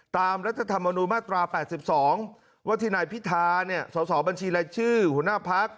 ตามรัฐธรรมนุมาตรา๘๒วัฒินัยพิธาสอบบัญชีรายชื่อหัวหน้าภักดิ์